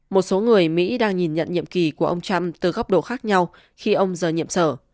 một số người mỹ đang nhìn nhận nhiệm kỳ của ông trump từ góc độ khác nhau khi ông rời nhiệm sở